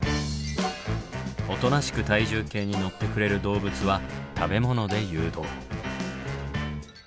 おとなしく体重計に乗ってくれる動物は食べ物で誘導。